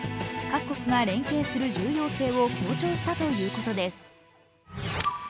各国が連携する重要性を強調したということです。